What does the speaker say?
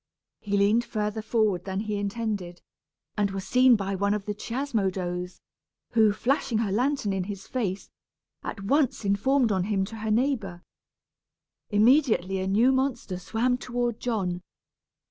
He leaned further forward than he intended, and was seen by one of the Chiasmodos, who, flashing her lantern in his face, at once informed on him to her neighbor. Immediately a new monster swam toward John.